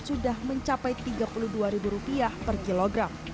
sudah mencapai rp tiga puluh dua per kilogram